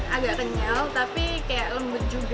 agak kenyal tapi kayak lembut juga